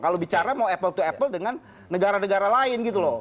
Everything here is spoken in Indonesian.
kalau bicara mau apple to apple dengan negara negara lain gitu loh